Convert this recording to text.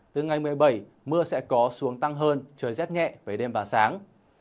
từ ngày một mươi bảy mưa sẽ có xuống tăng hơn trời rét nhẹ về đêm và sáng